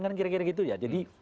kan kira kira gitu ya jadi